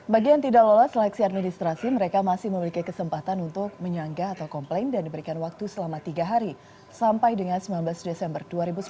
bagi yang tidak lolos seleksi administrasi mereka masih memiliki kesempatan untuk menyanggah atau komplain dan diberikan waktu selama tiga hari sampai dengan sembilan belas desember dua ribu sembilan belas